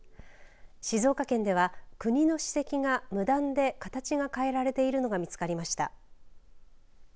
静岡県では国の史跡が無断で形が変えられているのが見つかりました。